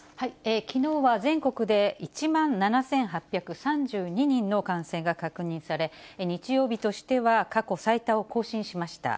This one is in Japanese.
きのうは全国で１万７８３２人の感染が確認され、日曜日としては過去最多を更新しました。